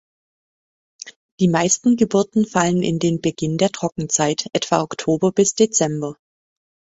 Die meisten Geburten fallen in den Beginn der Trockenzeit, etwa Oktober bis Dezember.